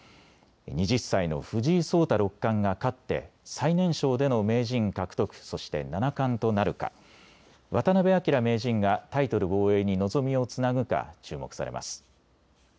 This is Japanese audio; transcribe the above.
２０歳の藤井聡太六冠が勝って最年少での名人獲得、そして七冠となるか、渡辺明名人がタイトル防衛に望みをつなぐか注目されます。